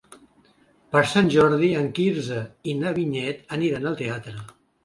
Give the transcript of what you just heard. Per Sant Jordi en Quirze i na Vinyet aniran al teatre.